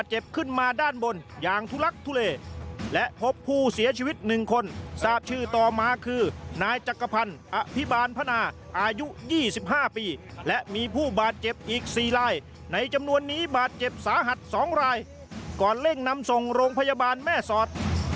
หนึ่งคนทราบชื่อต่อมาคือนายจักรพันธ์อภิบาลพนาอายุ๒๕ปีและมีผู้บาดเจ็บอีก๔ลายในจำนวนนี้บาดเจ็บสาหัส๒ลายก่อนเร่งนำส่งโรงพยาบาลแม่สอด